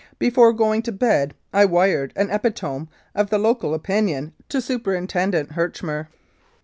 Before going to bed I wired an epitome of the local opinion to Superintendent Herchmer.